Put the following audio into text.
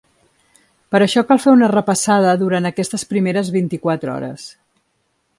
Per això cal fer una repassada durant aquestes primeres vint-i-quatre hores.